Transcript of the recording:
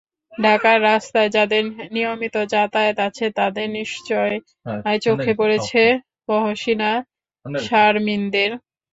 ঢাকার রাস্তায় যাঁদের নিয়মিত যাতায়াত আছে, তাঁদের নিশ্চয় চোখে পড়েছে মহসিনা, শারমিনদের।